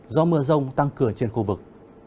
do mưa rông tăng cửa trên khu vực